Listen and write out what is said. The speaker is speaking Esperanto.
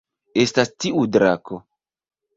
Estas tiu drako